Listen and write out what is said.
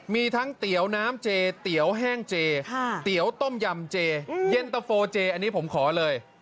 มีทั้งเตี๋ยวน้ำเจเตี๋ยวแห้งเจเตี๋ยวต้มยำเจเย็นตะโฟเจอันนี้ผมขอเลย